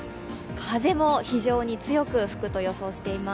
風も非常に強く吹くと予想しています。